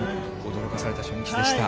驚かされた初日でした。